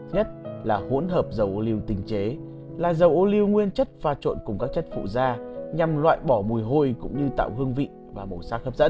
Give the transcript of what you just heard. nhất là hỗn hợp dầu lưu tình chế là dầu ô lưu nguyên chất pha trộn cùng các chất phụ da nhằm loại bỏ mùi hôi cũng như tạo hương vị và màu sắc hấp dẫn